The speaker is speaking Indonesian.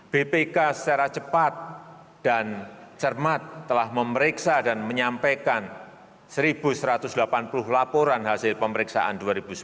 bpk secara cepat dan cermat telah memeriksa dan menyampaikan satu satu ratus delapan puluh laporan hasil pemeriksaan dua ribu sembilan belas